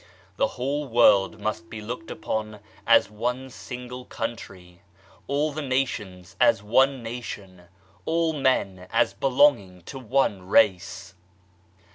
The whole world must be looked upon as one single country, all the nations as one nation, all men as belong ing to one race.